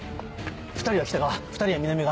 ２人は北側２人は南側。